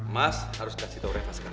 mas harus kasih tau reva sekarang